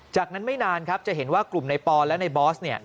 จากนั้นไม่นานครับจะเห็นว่ากลุ่มในปอนและในบอสเนี่ย